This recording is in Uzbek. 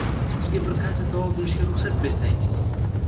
Sizga bir qancha savol berishga ruxsat bersangiz.